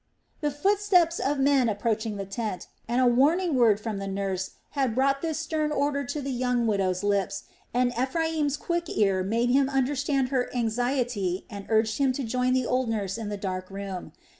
The footsteps of men approaching the tent, and a warning word from the nurse had brought this stern order to the young widow's lips, and Ephraim's quick ear made him understand her anxiety and urged him to join the old nurse in the dark room.